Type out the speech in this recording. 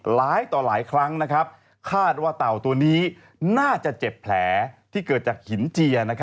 หลายต่อหลายครั้งคาดว่าเต่าตัวนี้น่าจะเจ็บแผลที่เกิดจากหินเจีย